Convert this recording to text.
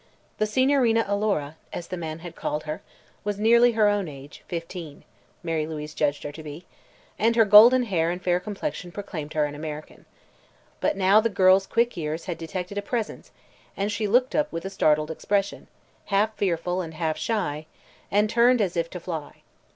The Signorina Alora, as the man had called her, was nearly her own age fifteen, Mary Louise judged her to be and her golden hair and fair complexion proclaimed her an American. But now the girl's quick ears had detected presence, and she looked up with a startled expression, half fearful and half shy, and turned as if to fly.